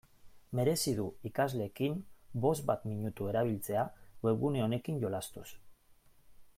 Merezi du ikasleekin bost bat minutu erabiltzea webgune honekin jolastuz.